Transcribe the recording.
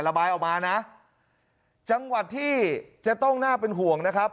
ระบายออกมานะจังหวัดที่จะต้องน่าเป็นห่วงนะครับ